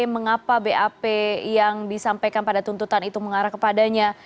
mengapa bap yang disampaikan pada tuntutan itu mengarah kepadanya